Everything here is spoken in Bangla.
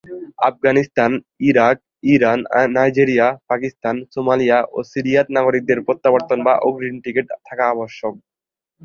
Afghanistan, Iran, Iraq, Nigeria, Pakistan, Somalia এবং সিরিয়ার নাগরিকদের প্রত্যাবর্তন বা অগ্রিম টিকিট থাকা আবশ্যক।